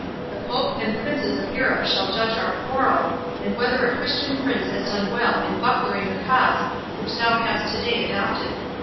The Pope and Princes of Europe shall judge our quarrel, and whether a Christian prince has done well in bucklering the cause which thou hast to day adopted.